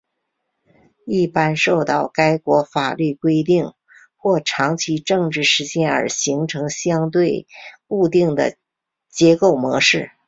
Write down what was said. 一般受到该国法律规定或长期政治实践而形成相对固定的结构模式。